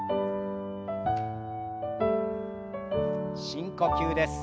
深呼吸です。